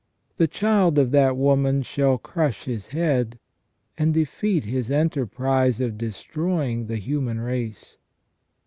The Child of that woman shall crush his head, and defeat his enterprise of destroying the human race.